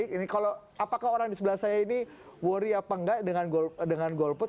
ini kalau apakah orang di sebelah saya ini worry apa enggak dengan golput